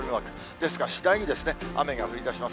ですが、次第に雨が降りだします。